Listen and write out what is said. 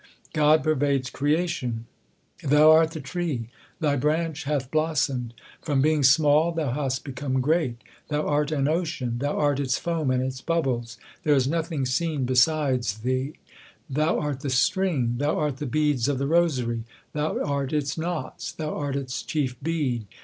God pervades creation : Thou art the tree ; Thy branch 1 hath blossomed ; From being small Thou hast become great. Thou art an ocean, Thou art its foam and its bubbles ; there is nothing seen besides Thee. Thou art the string, Thou art the beads of the rosary, Thou art its knots, Thou art its chief bead.